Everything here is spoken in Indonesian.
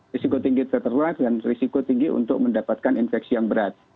risiko tinggi tertular dan risiko tinggi untuk mendapatkan infeksi yang berat